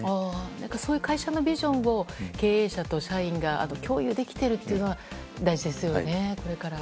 そういう会社のビジョンを経営者と社員が共有できているというのは大事ですよね。